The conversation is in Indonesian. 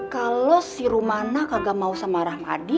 kalo si rumana kagak mau sama rahmadi